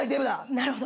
なるほど。